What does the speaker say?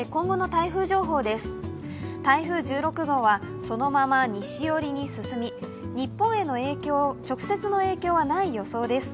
台風１６号はそのまま西寄りに進み日本への直接の影響はない予想です。